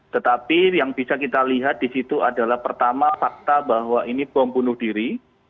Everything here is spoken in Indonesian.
tetapi yang bisa kita lihat di situ adalah pertama fakta bahwa ini bom bunuh diri